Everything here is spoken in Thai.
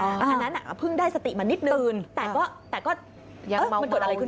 อันนั้นผึ้งได้สติมานิดนึงแต่ก็มันกดอะไรขึ้นมา